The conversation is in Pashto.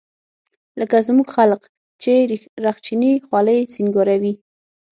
لکه زموږ خلق چې رخچينې خولۍ سينګاروي.